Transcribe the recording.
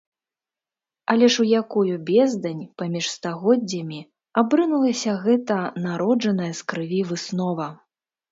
Але ж у якую бездань паміж стагоддзямі абрынулася гэта народжаная з крыві выснова?!